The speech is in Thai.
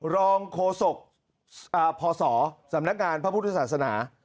รองโฆษกพศสำนักงานพระพุทธศาสนา